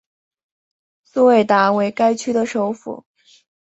苏韦达为该区的首府。